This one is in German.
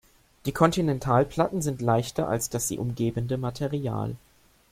Die Kontinentalplatten sind leichter als das sie umgebende Material.